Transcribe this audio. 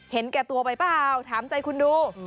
แก่ตัวไปเปล่าถามใจคุณดู